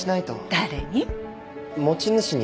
誰に？